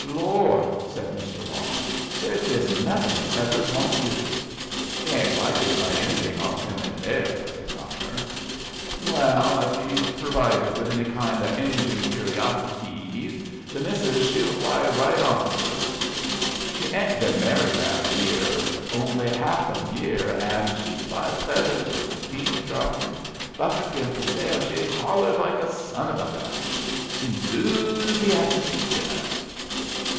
"Lor'!" said Mr. Long, "there's jest nothin' them peddlers won't do." "They ain't likely to buy anything off him in there," said Cumnor. "Mwell, ef he's purvided with any kind o' Injun cur'os'tees, the missis she'll fly right on to 'em. Sh' 'ain't been merried out yere only haff'n year, 'n' when she spies feathers 'n' bead truck 'n' buckskin fer sale sh' hollers like a son of a gun. Enthoosiastic, ye know."